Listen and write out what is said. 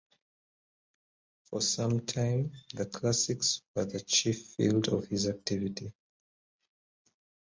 For some time the classics were the chief field of his activity.